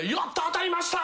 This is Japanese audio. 当たりました！」